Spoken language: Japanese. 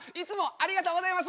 ありがとうございます！